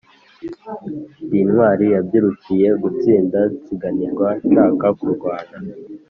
Ndi intwali yabyirukiye gutsinda, nsinganirwa nshaka kurwana